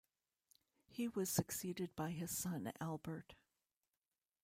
He was succeeded by his son Albert.